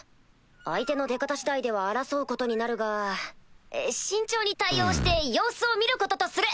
相手の出方次第では争うことになるが慎重に対応して様子を見ることとする！